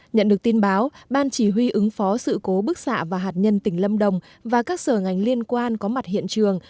nhận được tin báo ban chỉ huy ứng phó sự cố bức xạ và hạt nhân tỉnh lâm đồng và các sở ngành liên quan có mặt hiện trường